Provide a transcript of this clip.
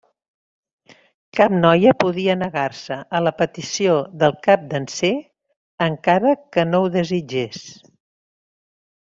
Cap noia podia negar-se a la petició del Capdanser, encara que no ho desitgés.